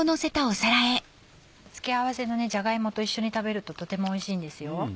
付け合わせのじゃが芋と一緒に食べるととてもおいしいんですよ。